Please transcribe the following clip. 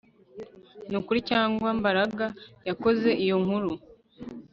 Nukuri cyangwa Mbaraga yakoze iyo nkuru